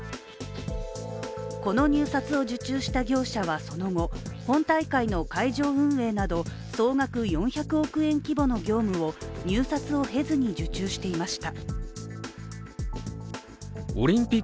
この入札を受注した業者はその後、本大会の会場運営など総額４００億円規模の業務を入札を経ずに受注していました。